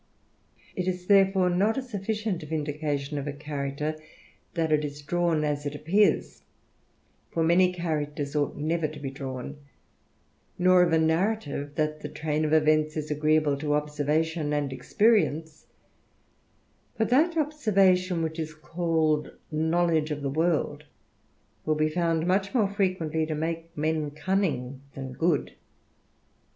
It is, therefore, not a sufficient vindication of a character, that it is drawn as it appears ; for many characters ought never to be drawn : nor of a narrative, that the train of events is agreeable to observation and experience ; for that observation which is called knowledge of the world, will be found much more firequently to make men cunning than good.